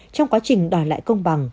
trong quá trình đòi lại công báo